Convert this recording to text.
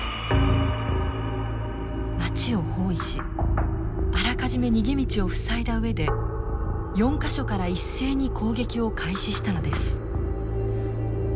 町を包囲しあらかじめ逃げ道を塞いだ上で４か所から一斉に攻撃を開始したのです。